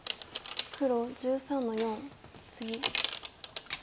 黒１３の四ツギ。